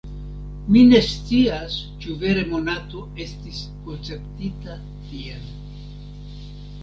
Mi ne scias, ĉu vere Monato estis konceptita tiel.